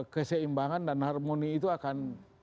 keseimbangan dan harmoni itu akan